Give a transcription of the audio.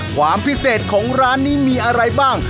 ความพิเศษของร้านนี้มีอะไรบ้าง